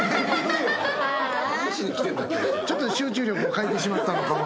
・ちょっと集中力を欠いてしまったのかも。